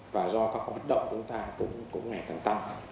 và do các hoạt động của chúng ta cũng có ngày thẳng tăng